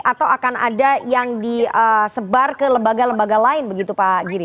atau akan ada yang disebar ke lembaga lembaga lain begitu pak giri